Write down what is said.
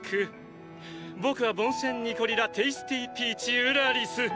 僕はボンシェン・ニコリ・ラ・テイスティピーチ＝ウラリス。